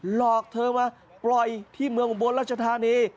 หลอกเธอมาปล่อยที่เมืองอุบลรัชธานี